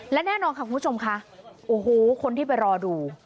และแน่นอนค่ะคุณผู้ชมค่ะโอ้โหคนที่ไปรอดู